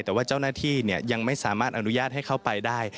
แต่ว่าเจ้าหน้าที่ยังไม่สามารถอนุญาตให้เข้าไปได้